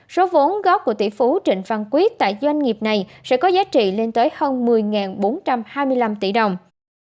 số vốn góp của tỷ phú trịnh văn quyết tại doanh nghiệp này sẽ có giá trị lên tới hơn một mươi bốn trăm hai mươi năm tỷ đồng